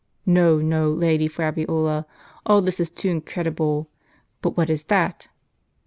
No, no, Lady Fabiola, all this is too incredible. But what is that?"